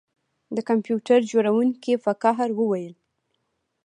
د کمپیوټر جوړونکي په قهر وویل